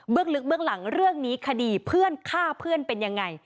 ลึกเบื้องหลังเรื่องนี้คดีเพื่อนฆ่าเพื่อนเป็นยังไง